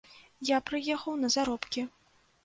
Я прыехаў на заробкі.